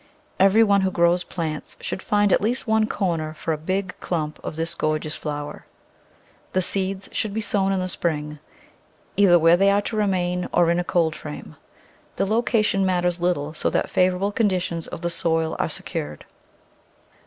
Everyone who grows plants should find at least one corner for a big clump of this gorgeous flower. The seeds should be sown in the spring, either where they are to remain or in a cold frame ; the loca tion matters little so that favourable conditions of the soil are secured.